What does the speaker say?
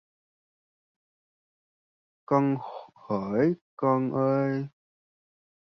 Con hởi con ơi!